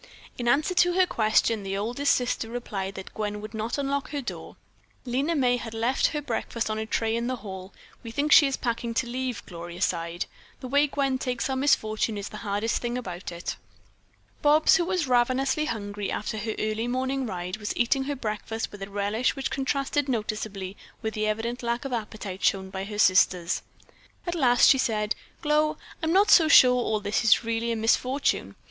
In answer to her question, the oldest sister replied that Gwen would not unlock her door. Lena May had left her breakfast on a tray in the hall. "We think she is packing to leave," Gloria sighed. "The way Gwen takes our misfortune is the hardest thing about it." Bobs, who was ravenously hungry after her early morning ride, was eating her breakfast with a relish which contrasted noticeably with the evident lack of appetite shown by her sisters. At last she said: "Glow, I'm not so sure all this is really a misfortune.